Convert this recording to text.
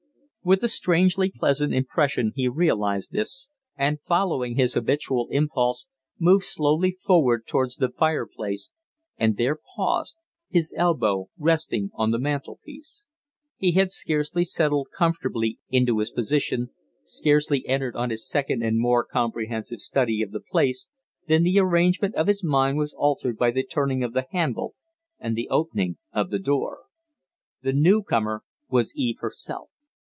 With a strangely pleasant impression he realized this, and, following his habitual impulse, moved slowly forward towards the fireplace and there paused, his elbow resting on the mantel piece. He had scarcely settled comfortably into his position, scarcely entered on his second and more comprehensive study of the place, than the arrangement of his mind was altered by the turning of the handle and the opening of the door. The new comer was Eve herself.